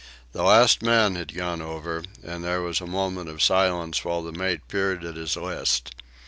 The last man had gone over, and there was a moment of silence while the mate peered at his list.